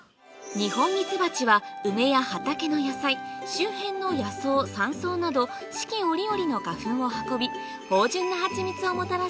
ニホンミツバチは梅や畑の野菜周辺の野草山草など四季折々の花粉を運び芳醇なハチミツをもたらしてくれるまさに